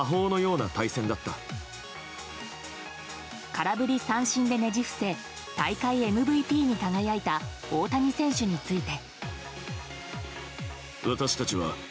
空振り三振でねじ伏せ大会ＭＶＰに輝いた大谷選手について。